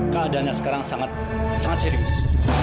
keadaannya sekarang sangat serius